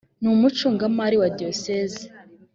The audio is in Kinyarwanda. n umucungamari wa diyoseze